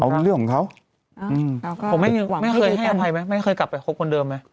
มันเรื่องของเขาผมไม่เคยให้อภัยไหมไม่เคยกลับไปคบคนเดิมไหม